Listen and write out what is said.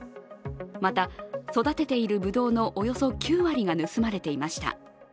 また、育てているぶどうのおよそ９割が盗まれていました。